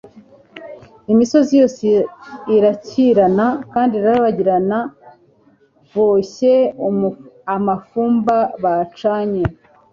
imisozi yose irakirana kandi irarabagirana boshye amafumba bacanye